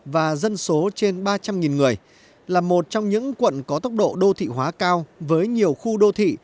và dân số trên ba trăm linh người là một trong những quận có tốc độ đô thị hóa cao với nhiều khu đô thị